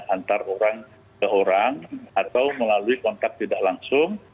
antara orang ke orang atau melalui kontak tidak langsung